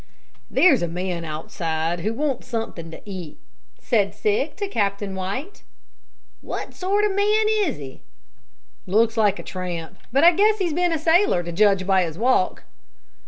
"There's a man outside who wants something to eat," said Sig to Captain White. "What sort of a man is he?" "Looks like a tramp, but I guess he's been a sailor to judge by his walk."